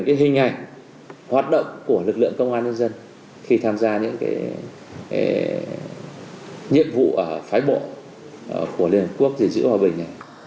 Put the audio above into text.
cái hình ảnh hoạt động của lực lượng công an nhân dân khi tham gia những nhiệm vụ ở phái bộ của liên hợp quốc giữ hòa bình